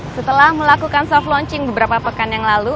setelah melakukan soft launching beberapa pekan yang lalu